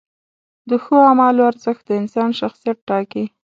د ښو اعمالو ارزښت د انسان شخصیت ټاکي.